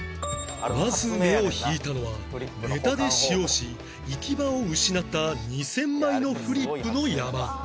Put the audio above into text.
まず目を引いたのはネタで使用し行き場を失った２０００枚のフリップの山